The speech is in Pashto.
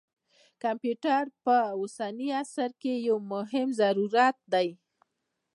کمپیوټر په اوسني عصر کې یو مهم ضرورت دی.